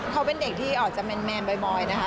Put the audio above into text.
เขาเป็นเด็กที่อาจจะเป็นแมนบ่อยนะคะ